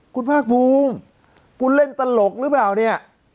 คุณภาคภูมิคุณเล่นตลกหรือเปล่าเนี่ย